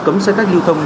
cấm xe cách lưu thông